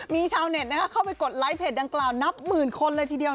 มีชาวเน็ตเข้าไปกดไลค์เพจดังกล่าวนับหมื่นคนเลยทีเดียว